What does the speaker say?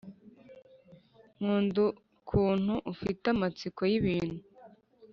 nkunda ukuntu ufite amatsiko yibintu,